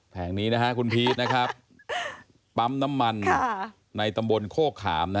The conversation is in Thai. แห่งนี้นะฮะคุณพีชนะครับปั๊มน้ำมันในตำบลโคกขาม